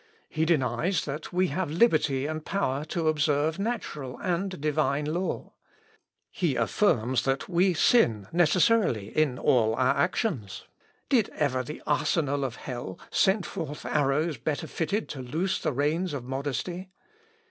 He denies that we have liberty and power to observe natural and divine law. He affirms that we sin necessarily in all our actions. Did ever the arsenal of hell send forth arrows better fitted to loose the reins of modesty?...